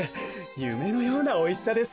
ゆめのようなおいしさです。